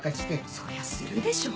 そりゃするでしょ！